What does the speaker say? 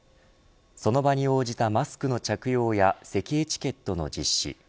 その場に応じたマスクの着用やせきエチケットの実施。